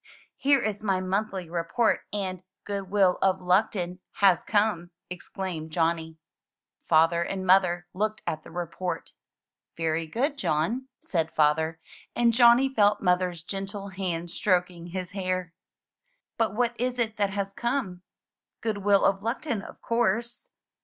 ''Here is my monthly report and 'Goodwill of Luckton' has come,'' exclaimed Johnny. Father and mother looked at the report. "Very good, John," said Father; and Johnny felt Mother's gentle hand stroking his hair. "But what is it that has come?" " 'Goodwill of Luckton', of course."